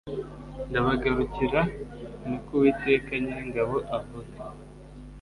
ndabagarukira Ni ko Uwiteka Nyiringabo avuga